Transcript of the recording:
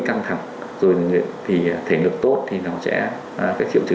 một lần nữa thì xin cảm ơn bác sĩ đã dành thời gian cho chương trình